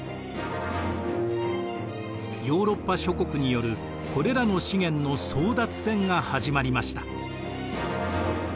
ヨーロッパ諸国によるこれらの資源の争奪戦が始まりました。